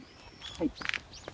はい。